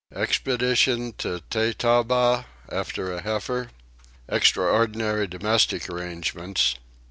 Expedition to Tettaba after a Heifer. Extraordinary domestic Arrangements.